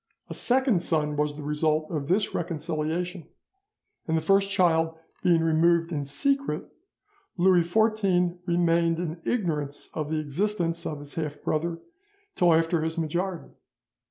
A second son was the result of this reconciliation; and the first child being removed in secret, Louis XIV remained in ignorance of the existence of his half brother till after his majority.